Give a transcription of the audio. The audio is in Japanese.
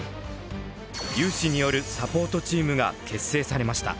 有志によるサポートチームが結成されました。